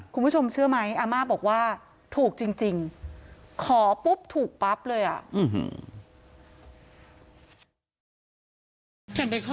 คุณผู้ชมเชื่อไหมอาม่าบอกว่าถูกจริงขอปุ๊บถูกปั๊บเลยอ่ะ